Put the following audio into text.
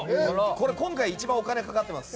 これ今回一番お金がかかってます。